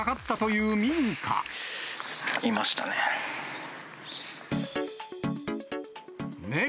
いましたね。